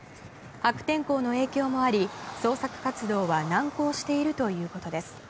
悪天候の影響もあり、捜索活動は難航しているということです。